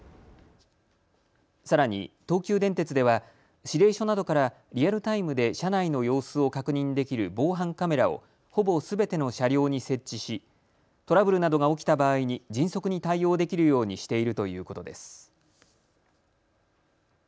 さらに東急電鉄では指令所などからリアルタイムで車内の様子を確認できる防犯カメラをほぼすべての車両に設置しトラブルなどが起きた場合に迅速に対応できるようにしているということです。